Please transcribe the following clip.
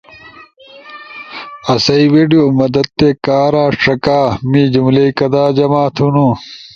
آسئی ویڈیو مدد تے کارا ݜکا۔ می جملئی کدا جمع تھونو؟